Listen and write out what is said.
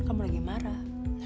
kamu lagi marah